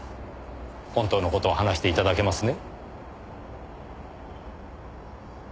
本当の事を話して頂けますね？